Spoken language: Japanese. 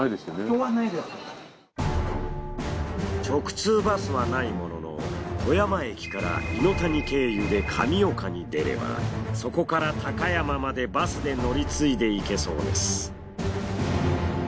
直通バスはないものの富山駅から猪谷経由で神岡に出ればそこから高山までバスで乗り継いでいけそうです。